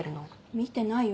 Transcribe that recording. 見てないよ